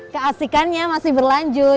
keasikannya masih berlanjut